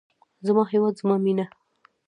زما هیواد زما مینه.